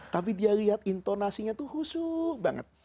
tapi dia lihat intonasinya itu husu' banget